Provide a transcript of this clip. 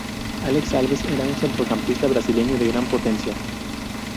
Alex Alves era un centrocampista brasileño de gran potencia.